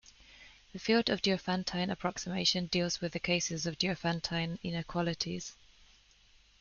The field of Diophantine approximation deals with the cases of "Diophantine inequalities".